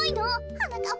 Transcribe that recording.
はなかっ